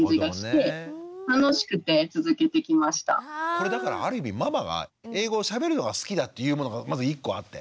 これだからある意味ママが英語をしゃべるのが好きだっていうものもまず１個あって。